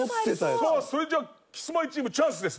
さあそれじゃキスマイチームチャンスです。